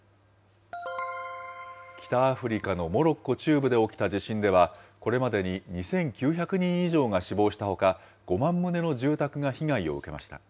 北アフリカのモロッコ中部で起きた地震では、これまでに２９００人以上が死亡したほか、５万棟の住宅が被害を受けました。